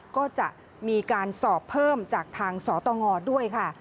ก็จะมีการสอบเพิ่มจากทางสตงด้วยค่ะ